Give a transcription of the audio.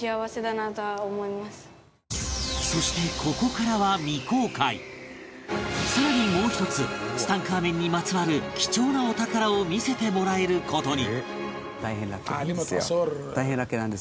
そしてさらにもう一つツタンカーメンにまつわる貴重なお宝を見せてもらえる事に